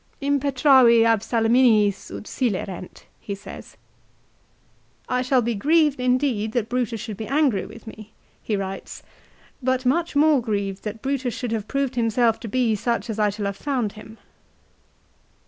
"Impetravi ab Salami niis ut silerent," he says. ft I shall be grieved indeed that Brutus should be angry with me," he writes ;" but much more grieved that Brutus should have proved himself to be such as I shall have found him."